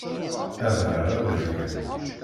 Adrar aberkan.